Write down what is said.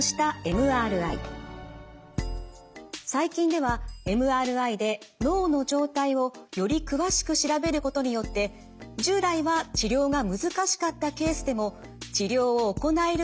最近ではＭＲＩで脳の状態をより詳しく調べることによって従来は治療が難しかったケースでも治療を行えるケースが出てきています。